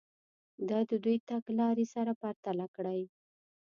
دا دوې تګ لارې سره پرتله کړئ.